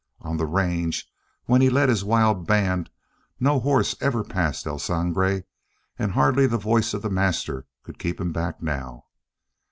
On the range, when he led his wild band, no horse had ever passed El Sangre and hardly the voice of the master could keep him back now.